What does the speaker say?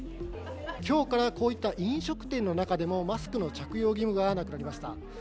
きょうからこういった飲食店の中でも、マスクの着用義務がなくなりました。